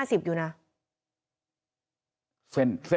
มันทำสายขนาดไหนครับช่วยติดตามหน่อยครับ